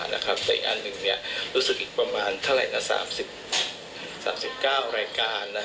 อีกอันนึงรู้สึกว่าอีกประมาณ๓๐รายการ